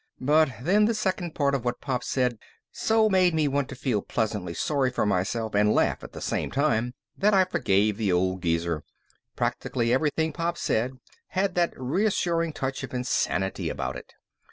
But then the second part of what Pop said so made me want to feel pleasantly sorry for myself and laugh at the same time that I forgave the old geezer. Practically everything Pop said had that reassuring touch of insanity about it.